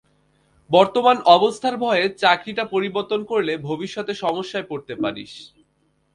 বর্তমান অবস্থার ভয়ে চাকরিটা পরিবর্তন করলে, ভবিষ্যতে সমস্যায় পড়তে পারিস।